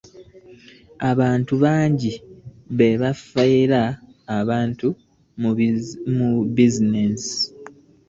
abantu bangi bafera abantu mu bizineesi.